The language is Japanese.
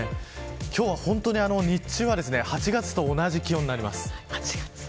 今日は本当に日中は８月と同じ気温になります。